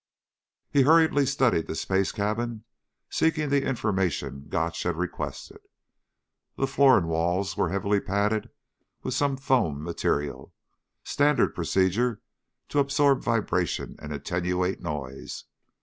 He hurriedly studied the space cabin, seeking the information Gotch had requested. The floor and walls were heavily padded with some foam material standard procedure to absorb vibration and attenuate noise.